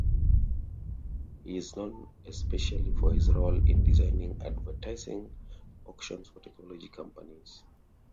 He is known especially for his role in designing advertising auctions for technology companies.